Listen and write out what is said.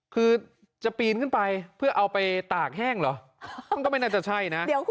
คือจะปีนขึ้นไป